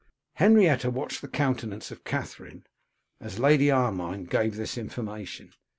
Henrietta watched the countenance of Katherine, as Lady Armine gave this information.